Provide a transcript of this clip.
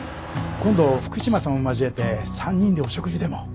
今度福島さんも交えて３人でお食事でも。